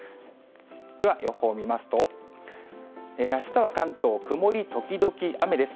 では、予報を見ますと、あしたは関東、曇り時々雨です。